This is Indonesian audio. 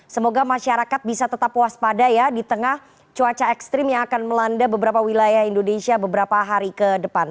semoga masyarakat bisa tetap waspada ya di tengah cuaca ekstrim yang akan melanda beberapa wilayah indonesia beberapa hari ke depan